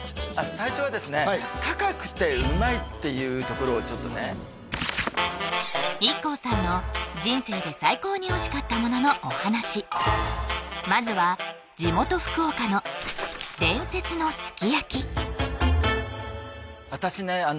最初はですね高くて旨いっていうところをちょっとねＩＫＫＯさんの人生で最高においしかったもののお話まずは私ね